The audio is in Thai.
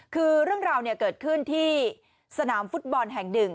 คือเรื่องราวเกิดขึ้นที่สนามฟุตบอลแห่งหนึ่ง